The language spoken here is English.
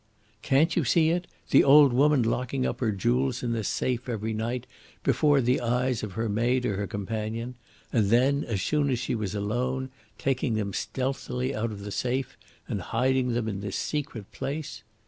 "Can't you see it? The old woman locking up her jewels in this safe every night before the eyes of her maid or her companion, and then, as soon as she was alone, taking them stealthily out of the safe and hiding them in this secret place.